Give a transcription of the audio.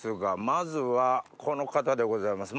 まずはこの方でございます